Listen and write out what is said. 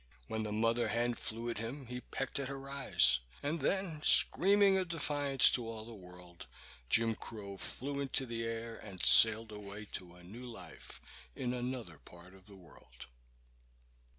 When the mother hen flew at him he pecked at her eyes; and then, screaming a defiance to all the world, Jim Crow flew into the air and sailed away to a new life in another part of the world.